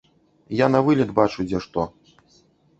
Я навылет бачу, дзе што.